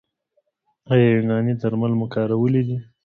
ایا یوناني درمل مو کارولي دي؟